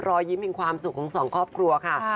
รอยยิ้มแห่งความสุขของสองครอบครัวค่ะ